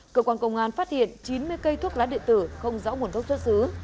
cơ quan công an phát hiện chín mươi cây thuốc lá địa tử không rõ nguồn gốc xuất xứ